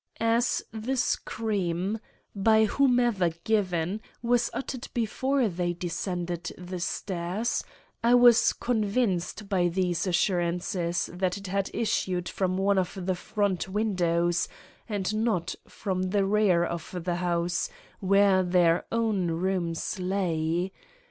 As the scream, by whomever given, was uttered before they descended the stairs, I was convinced by these assurances that it had issued from one of the front windows, and not from the rear of the house, where their own rooms lay.